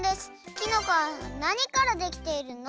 きのこは何からできているの？」